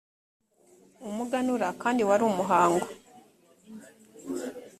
umuganura kandi wari umuhango